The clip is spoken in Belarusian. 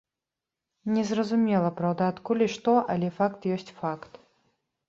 Не зразумела, праўда, адкуль і што, але факт ёсць факт.